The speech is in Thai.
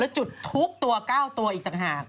จุดทุกตัว๙ตัวอีกต่างหาก